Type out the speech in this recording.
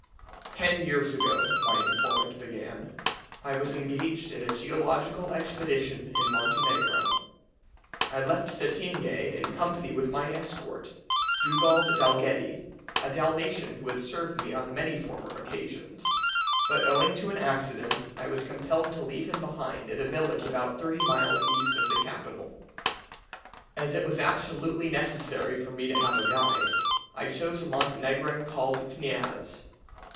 "Ten years ago," my informant began, "I was engaged in a geological expedition in Montenegro. I left Cetinge in company with my escort, Dugald Dalghetty, a Dalmatian who had served me on many former occasions; but owing to an accident I was compelled to leave him behind at a village about thirty miles east of the capital. As it was absolutely necessary for me to have a guide, I chose a Montenegrin called Kniaz.